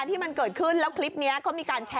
ระหว่างเมียสี่เดี๋ยวลองดูหน่อยค่ะ